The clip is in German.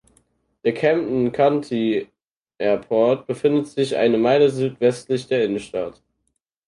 Der Camden County Airport befindet sich eine Meile südwestlich der Innenstadt.